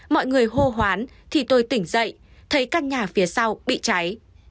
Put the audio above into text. mọi người hô hoán thì tôi tỉnh dậy thấy căn nhà phía sau bị cháy